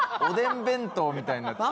おでん弁当みたいな。